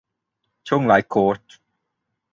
ช่วงไลฟ์โค้ช